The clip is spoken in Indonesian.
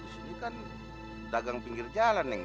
di sini kan dagang pinggir jalan neng